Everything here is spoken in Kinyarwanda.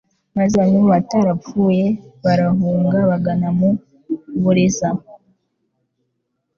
maze bamwe mu batarapfuye barahunga bagana mu Buliza,